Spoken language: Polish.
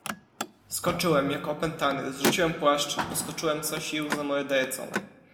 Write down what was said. "Skoczyłem, jak opętany, zrzuciłem płaszcz i poskoczyłem co sił za mordercą."